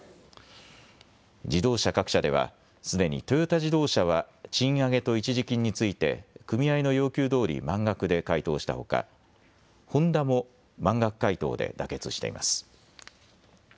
自動車各社ではすでにトヨタ自動車は賃上げと一時金について組合の要求どおり満額で回答したほか、ホンダも満額回答で妥結しています。